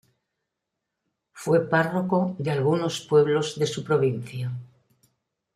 Fue párroco de algunos pueblos de su provincia.